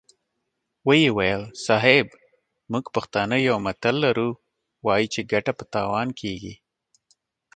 ويې ويل: صيب! موږ پښتانه يو متل لرو، وايو چې ګټه په تاوان کېږي.